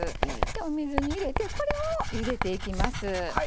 お水に入れてこれをゆでていきます。